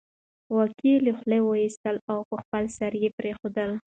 واګی یې له خولې وېستل او په خپل سر یې پرېښودل